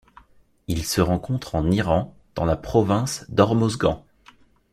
Il se rencontre en Iran, dans la province d'Hormozgan.